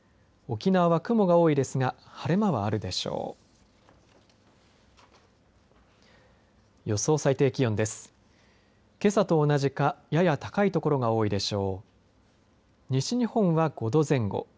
沖縄は雲が多いですが晴れ間はあるでしょう。